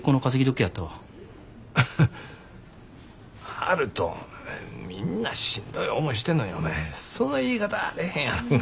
悠人みんなしんどい思いしてんのにお前その言い方はあれへんやろが。